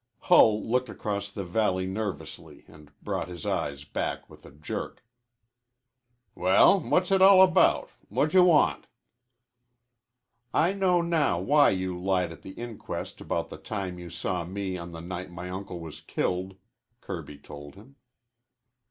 Hull looked across the valley nervously and brought his eyes back with a jerk. "Well, what's it all about? Whadjawant?" "I know now why you lied at the inquest about the time you saw me on the night my uncle was killed," Kirby told him.